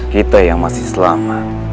kita yang masih selamat